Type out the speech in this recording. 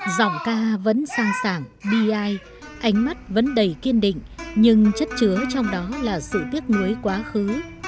giọng ca vẫn sang sảng bi ai ánh mắt vẫn đầy kiên định nhưng chất chứa trong đó là sự tiếc nuối quá khứ